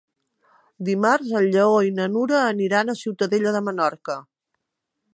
Dimarts en Lleó i na Nura aniran a Ciutadella de Menorca.